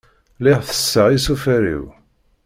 Lliɣ tesseɣ isufar-iw.